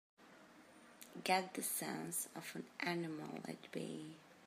Get the sense of an animal at bay!